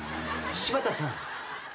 柴田さん？